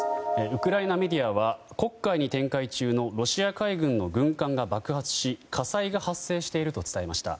ウクライナメディアは黒海に展開中のロシア海軍の軍艦が爆発し火災が発生していると伝えました。